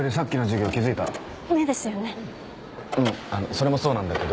それもそうなんだけど。